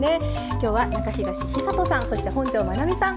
今日は中東久人さんそして本上まなみさん。